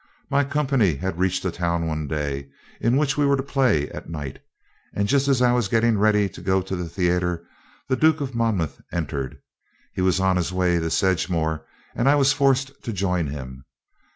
"My company had reached a town one day, in which we were to play at night, and just as I was getting ready to go to the theatre, the Duke of Monmouth entered. He was on his way to Sedgemore, and I was forced to join him.